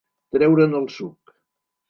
Treure'n el suc.